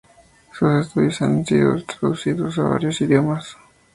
Sus estudios han sido traducidos a varios idiomas.